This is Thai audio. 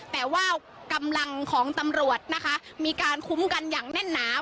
แต่ว่ากำลังของตำรวจนะคะมีการคุ้มกันอย่างแน่นหนา